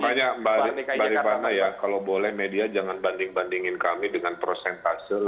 makanya mbak dki jakarta ya kalau boleh media jangan banding bandingin kami dengan prosentual